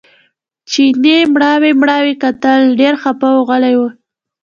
چیني مړاوي مړاوي کتل ډېر خپه او غلی و.